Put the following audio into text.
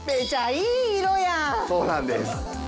そうなんです。